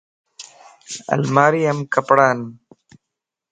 الماري ام ڪپڙا ان